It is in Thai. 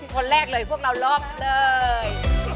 คนแรกเลยพวกเราล็อกเลย